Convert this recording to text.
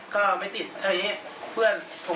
ก็ไม่ติดเพื่อนผมก็เลยตอนแรกคิดว่ามันเป็นอะไร